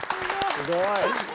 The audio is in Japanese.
すごい。